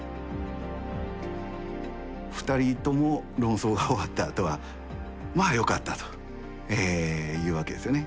２人とも論争が終わったあとはまあよかったというわけですよね。